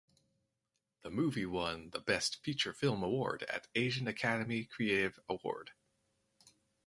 The movie won the Best Feature Film Award at Asian Academy Creative Award.